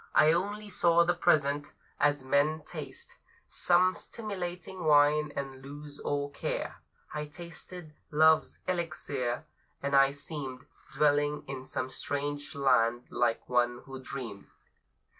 I only saw the present: as men taste Some stimulating wine, and lose all care, I tasted Love's elixir, and I seemed Dwelling in some strange land, like one who dreamed.